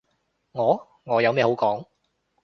我？我有咩好講？